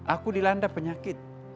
aku dilanda penyakit